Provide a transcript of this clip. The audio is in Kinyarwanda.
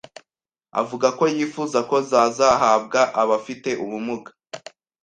avuga ko yifuza ko zazahabwa abafite ubumuga